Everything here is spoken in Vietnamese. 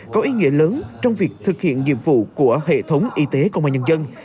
có ý nghĩa lớn trong việc thực hiện nhiệm vụ của hệ thống y tế công an nhân dân